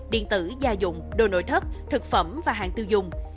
điện tử gia dụng đồ nội thất thực phẩm và hàng tiêu dùng